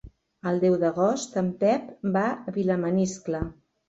El deu d'agost en Pep va a Vilamaniscle.